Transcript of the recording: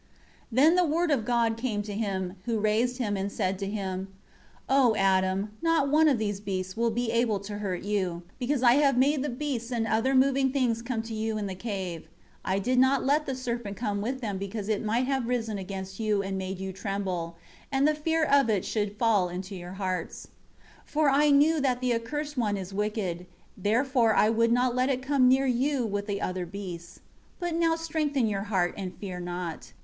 Then the Word of God came to him, who raised him, and said to him, 4 "O Adam, not one of these beasts will be able to hurt you; because I have made the beasts and other moving things come to you in the cave. I did not let the serpent come with them because it might have risen against you and made you tremble; and the fear of it should fall into your hearts. 5 For I knew that the accursed one is wicked; therefore I would not let it come near you with the other beasts. 6 But now strengthen your heart and fear not.